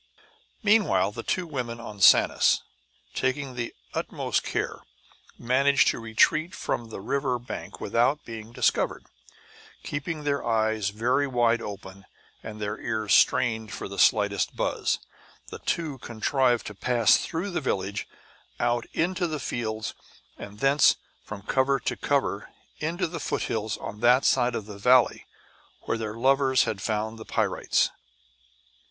Meanwhile the two women on Sanus, taking the utmost care, managed to retreat from the river bank without being discovered. Keeping their eyes very wide open and their ears strained for the slightest buzz, the two contrived to pass through the village, out into the fields, and thence, from cover to cover, into the foothills on that side of the valley where their lovers had found the pyrites.